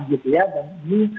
gitu ya dan ini